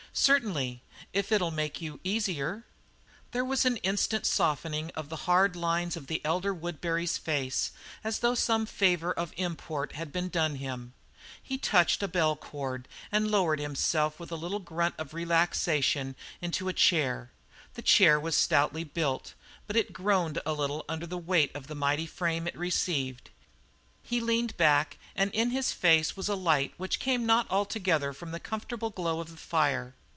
"Certainly, if it'll make you easier." There was an instant softening of the hard lines of the elder Woodbury's face, as though some favour of import had been done him. He touched a bell cord and lowered himself with a little grunt of relaxation into a chair. The chair was stoutly built, but it groaned a little under the weight of the mighty frame it received. He leaned back and in his face was a light which came not altogether from the comfortable glow of the fire.